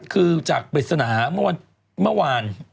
คือจากปริศนาเมื่อวาน